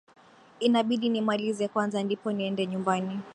Inabidi nimalize kwanza ndipo niende nyumbani.